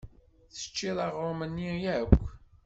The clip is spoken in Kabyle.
Teččiḍ aɣrum-nni akk?